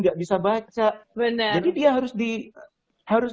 gak bisa baca jadi dia harus